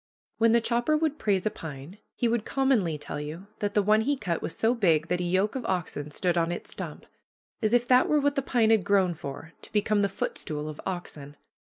When the chopper would praise a pine he will commonly tell you that the one he cut was so big that a yoke of oxen stood on its stump; as if that were what the pine had grown for, to become the footstool of oxen.